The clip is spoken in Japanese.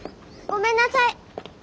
ごめんなさい。